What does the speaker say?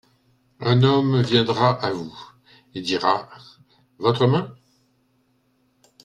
Un homme viendra à vous, et dira : Votre main ?